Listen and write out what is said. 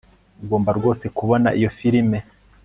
ugomba rwose kubona iyo firime